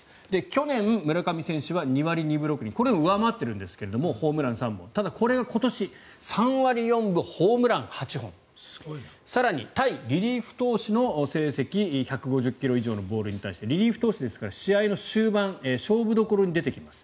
去年、村上選手は２割２分６厘これを上回っているんですがホームラン３本ただ、これが今年３割４分、ホームラン８本更に対リリーフ投手の成績１５０ｋｍ以上のボールに対してリリーフ投手ですから試合の終盤勝負どころに出てきます。